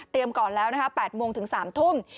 ก่อนแล้วนะคะ๘โมงถึง๓ทุ่ม